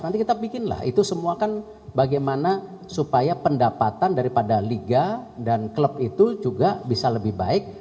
nanti kita bikinlah itu semua kan bagaimana supaya pendapatan daripada liga dan klub itu juga bisa lebih baik